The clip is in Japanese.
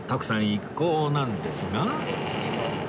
一行なんですが